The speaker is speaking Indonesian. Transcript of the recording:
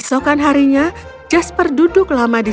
dan senyap nyapnya sedikit